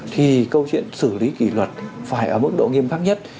thì câu chuyện xử lý kỷ luật phải ở mức độ nghiêm khắc nhất